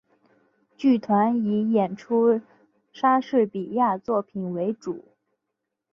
剧团以演出莎士比亚作品为主。